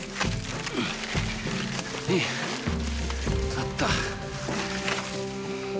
あった！